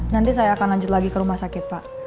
nanti saya akan lanjut lagi ke rumah sakit pak